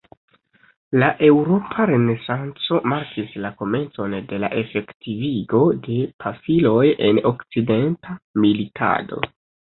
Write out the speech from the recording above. La eŭropa Renesanco markis la komencon de la efektivigo de pafiloj en okcidenta militado.